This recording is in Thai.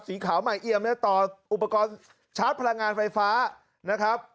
สีขาวใหม่เอียมนะต่ออุปกรณ์ชาร์จพลังงานไฟฟ้านะครับ